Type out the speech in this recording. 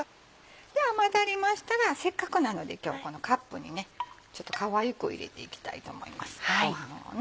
混ざりましたらせっかくなので今日このカップにねちょっとかわいく入れていきたいと思いますご飯をね。